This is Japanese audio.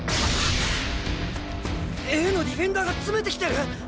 Ａのディフェンダーが詰めてきてる！？